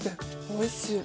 おいしい？